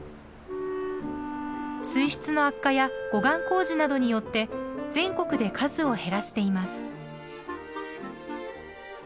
水質の悪化や護岸工事などによって全国で数を減らしています。